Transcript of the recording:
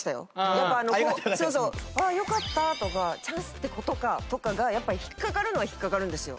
やっぱあの「ああよかった」とか「チャンスって事か」とかがやっぱり引っかかるのは引っかかるんですよ。